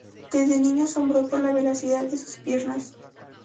Desde niño asombró por la velocidad de sus piernas.